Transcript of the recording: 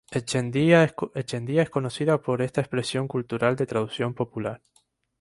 Echeandía es conocida por esta expresión cultural de tradición popular.